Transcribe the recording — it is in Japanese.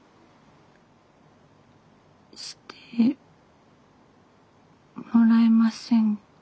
してもらえませんか？